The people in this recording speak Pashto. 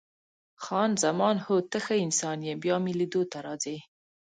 خان زمان: هو، ته ښه انسان یې، بیا مې لیدو ته راځې؟